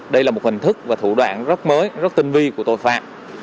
đây là một hình thức và thủ đoạn rất mới rất tinh vi của tội phạm